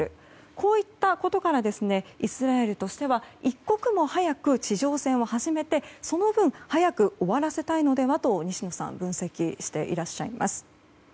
こういったことからイスラエルとしては一刻も早く地上戦を初めてその分早く終わらせたいのではと西野さん分析していらっしゃいます。